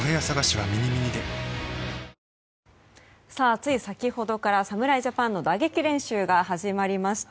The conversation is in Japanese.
つい先ほどから侍ジャパンの打撃練習が始まりました。